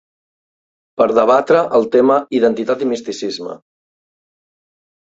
Per debatre el tema Identitat i misticisme.